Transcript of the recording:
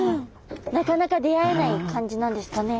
なかなか出会えない感じなんですかね。